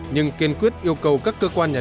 nhưng kiên quyết yêu cầu các cơ quan nhận